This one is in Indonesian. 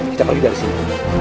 kita pergi dari sini